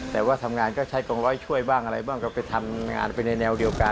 แต่ว่าทำงานก็ใช้กองร้อยช่วยบ้างอะไรบ้างก็ไปทำงานไปในแนวเดียวกัน